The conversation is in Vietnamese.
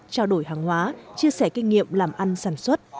trao đổi hàng hóa chia sẻ kinh nghiệm làm ăn sản xuất